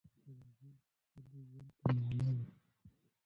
راځئ چې خپل ژوند ته معنی ورکړو.